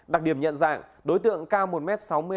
đặc điểm nhận dạng đối tượng cao một m sáu mươi m